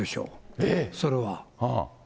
それは。